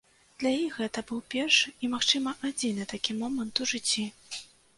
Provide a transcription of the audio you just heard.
Для іх гэта быў першы і, магчыма адзіны такі момант у жыцці!